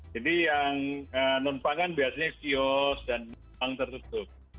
jadi yang non pangan biasanya kios dan ruang tertutup